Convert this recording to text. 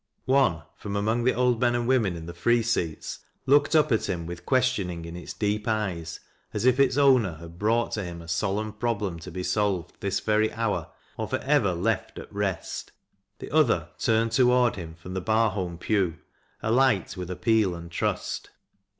One, from among the old men and women in the free seats, looked up at him with questioning in its deep eyes, as if its owner had brought to him a solemn problem to be solved this very hour, or forever left at rest; the other, turned toward him from the Barholra pew, alight with appeal and trust.